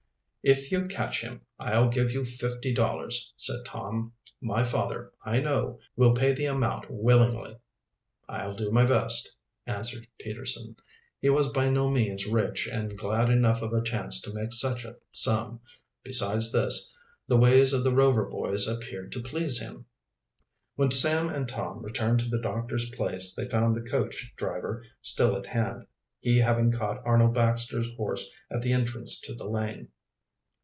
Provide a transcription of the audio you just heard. "If you catch him I'll give you fifty dollars," said Tom. "My father, I know, will pay the amount willingly." "I'll do my best," answered Peterson. He was by no means rich and glad enough of a chance to make such a sum. Besides this, the ways of the Rover boys appeared to please him. When Sam and Tom returned to the doctor's place they found the coach driver still at hand, he having caught Arnold Baxter's horse at the entrance to the lane.